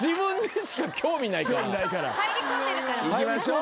いきましょう。